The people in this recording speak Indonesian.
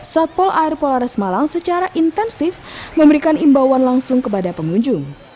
satpol air polares malang secara intensif memberikan imbauan langsung kepada pengunjung